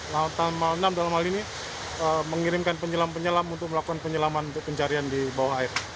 lautan mal enam dalam hal ini mengirimkan penyelam penyelam untuk melakukan penyelaman untuk pencarian di bawah air